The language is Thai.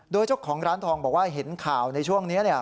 โดยเจ้าของร้านทองบอกว่าเห็นข่าวในช่วงนี้